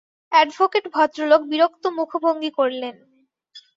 Advocate ভদ্রলোক বিরক্ত মুখভঙ্গি করলেন।